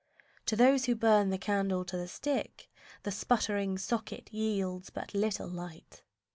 To those who burn the candle to the stick, The sputtering socket yields but little light.